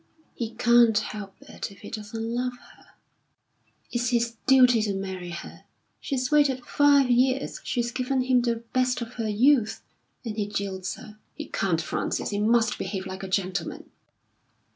"He can't help it if he doesn't love her." "It's his duty to marry her. She's waited five years; she's given him the best of her youth and he jilts her. He can't, Frances; he must behave like a gentleman."